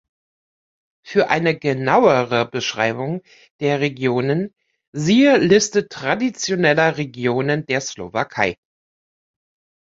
Für eine genauere Beschreibung der Regionen siehe Liste traditioneller Regionen der Slowakei.